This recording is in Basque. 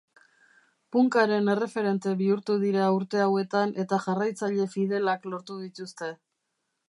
Punkaren erreferente bihurtu dira urte hauetan eta jarraitzaile fidelak lortu dituzte.